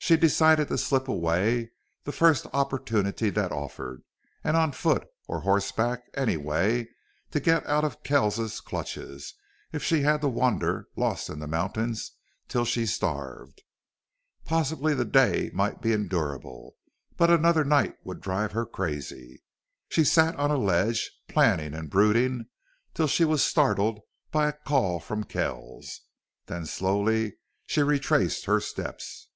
She decided to slip away the first opportunity that offered, and on foot or horseback, any way, to get out of Kells's clutches if she had to wander, lost in the mountains, till she starved. Possibly the day might be endurable, but another night would drive her crazy. She sat on a ledge, planning and brooding, till she was startled by a call from Kells. Then slowly she retraced her steps.